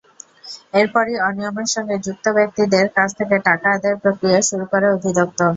এরপরই অনিয়মের সঙ্গে যুক্ত ব্যক্তিদের কাছ থেকে টাকা আদায়ের প্রক্রিয়া শুরু করে অধিদপ্তর।